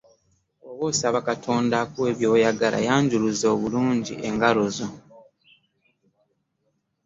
Bwoba osaba Katonda akuwe by'oyagala yanjuluza bulungi engalo zo.